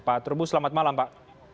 pak trubus selamat malam pak